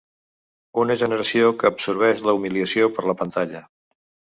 Una generació que absorbeix la humiliació per la pantalla.